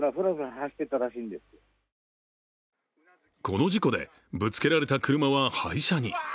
この事故で、ぶつけられた車は廃車に。